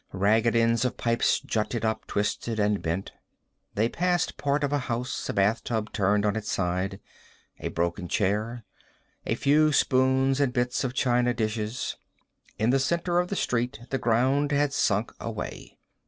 Ragged ends of pipes jutted up, twisted and bent. They passed part of a house, a bathtub turned on its side. A broken chair. A few spoons and bits of china dishes. In the center of the street the ground had sunk away.